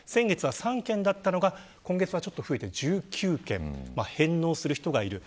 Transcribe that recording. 先月は３件だったのが今月はちょっと増えて１９件返納する人がいる。